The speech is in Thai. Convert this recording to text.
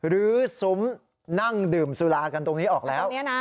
รื้อซุ้มนั่งดื่มสุรากันตรงนี้ออกแล้ว